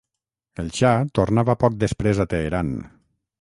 El xa tornava poc després a Teheran.